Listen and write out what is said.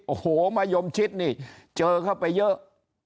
โอ้โหมะยมชิดนี่เจอเข้าไปเยอะ